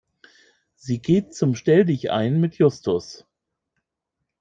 Sie geht zum Stelldichein mit Justus.